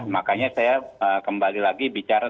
makanya saya kembali lagi bicara